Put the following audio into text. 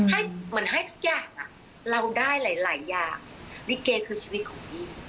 เหมือนให้ทุกอย่างเราได้หลายอย่างลิเกคือชีวิตของยิ่ง